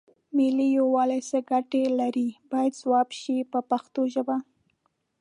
ملي یووالی څه ګټې لري باید ځواب شي په پښتو ژبه.